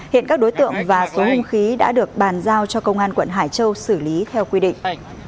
hiện các đối tượng và số hung khí đã được bàn giao cho công an quận hải châu xử lý theo quy định